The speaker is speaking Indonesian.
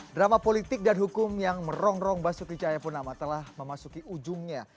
drama politik dan hukum yang merongrong basuki cahaya pun amat telah memasuki ujungnya